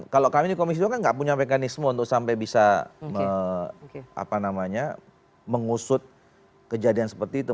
kalau kami di komisi dua kan nggak punya mekanisme untuk sampai bisa mengusut kejadian seperti itu